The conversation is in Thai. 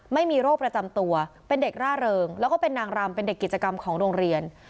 ไม่มีโรคประจำตัวเป็นเด็กร่าเริงแล้วก็เป็นนางรำเป็นเด็กกิจกรรมของโรงเรียน